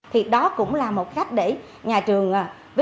thì đó cũng là một khách để nhà trường